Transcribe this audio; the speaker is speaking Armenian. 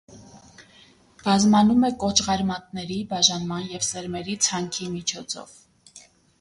Բազմանում է կոճղարմատների բաժանման և սերմերի ցանքի միջոցով։